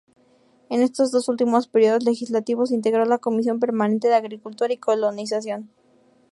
En estos dos últimos períodos legislativos integró la comisión permanente de Agricultura y Colonización.